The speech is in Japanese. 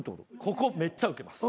ここめっちゃウケます。